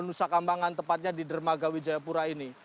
penusakambangan tepatnya di dermagawi jayapura ini